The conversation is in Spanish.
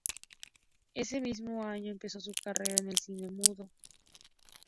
Ese mismo año empezó su carrera en el cine mudo.